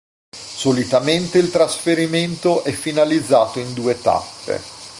Solitamente il trasferimento è finalizzato in due tappe.